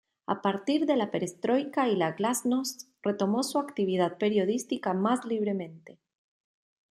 A partir de la Perestroika y la Glásnost, retomó su actividad periodística más libremente.